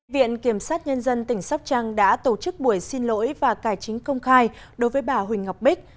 viện kiểm sát nhân dân tỉnh sóc trăng đã tổ chức buổi xin lỗi và cải chính công khai đối với bà huỳnh ngọc bích